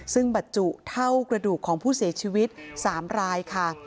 ซึ่งบรรจุเท่ากระดูกของผู้เสียชีวิต๓รายค่ะ